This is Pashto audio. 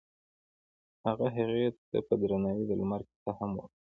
هغه هغې ته په درناوي د لمر کیسه هم وکړه.